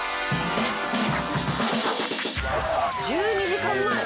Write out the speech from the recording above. １２時間前？